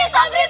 satu dua tiga